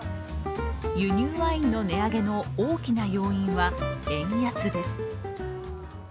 輸入ワインの値上げの大きな要因は円安です。